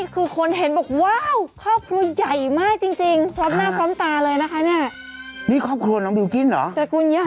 ครอบครัวใหญ่มากจริงนะคะโอ้โฮนี่